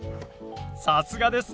さすがです。